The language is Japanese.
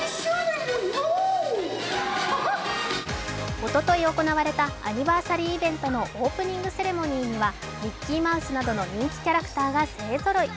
おととい行われたアニバーサリーイベントのオープニングセレモニーにはミッキーマウスなどの人気キャラクターが勢ぞろい。